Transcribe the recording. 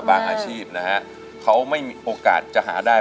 แต่เงินมีไหม